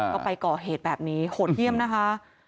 ก็ไปก่อเหตุแบบนี้โหดเยี่ยมนะคะ